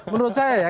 menurut saya ya